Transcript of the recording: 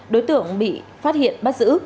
đối tượng bị phát hiện bắt giữ